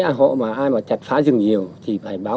ai mà chặt phá rừng nhiều thì phải báo